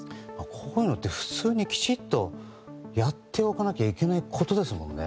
こういうのって普通にきちっとやっておかなきゃいけないことですもんね。